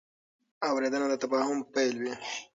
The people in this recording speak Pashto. اورېدنه د تفاهم پیلوي.